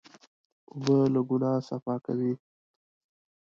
اوبه له ګناه صفا کوي.